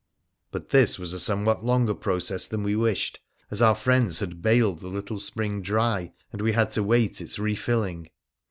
But this was a somewhat longer process than we wished, as our friends had baled the little spring dry, and we had to wait its refilling.